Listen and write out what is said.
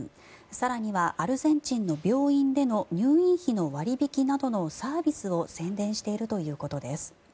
更にはアルゼンチンの病院での入院費の割引などのサービスを宣伝しているということです。